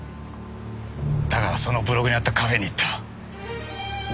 だからそのブログにあったカフェに行った。